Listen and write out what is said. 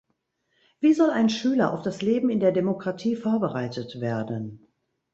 Wie soll ein Schüler auf das Leben in der Demokratie vorbereitet werden?